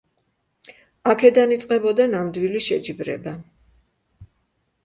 აქედან იწყებოდა ნამდვილი შეჯიბრება.